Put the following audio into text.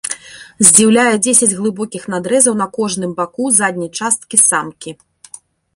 Здзіўляе дзесяць глыбокіх надрэзаў на кожным баку задняй часткі самкі.